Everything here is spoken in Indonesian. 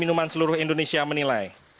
minuman seluruh indonesia menilai